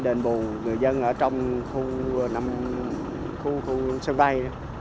đền bù người dân ở trong khu sân bay